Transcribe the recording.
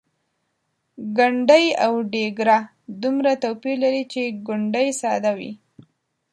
ګنډۍ او ډیګره دومره توپیر لري چې ګنډۍ ساده وي.